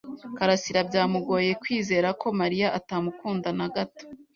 karasira byamugoye kwizera ko Mariya atamukunda na gato.